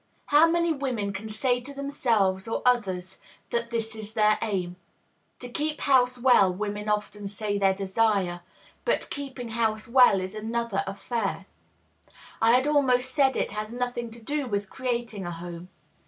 How many women can say to themselves or others that this is their aim? To keep house well women often say they desire. But keeping house well is another affair, I had almost said it has nothing to do with creating a home.